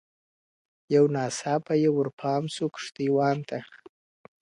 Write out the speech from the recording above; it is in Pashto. یو ناڅاپه یې ور پام سو کښتی وان ته.